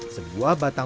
tidak ada batang